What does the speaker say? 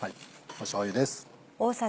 しょうゆです。